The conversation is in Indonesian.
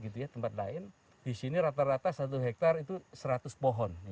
di sini rata rata satu hektare itu seratus pohon